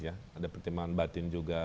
ada pertimbangan batin juga